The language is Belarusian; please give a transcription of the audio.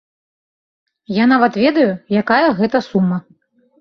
Я нават ведаю, якая гэта сума.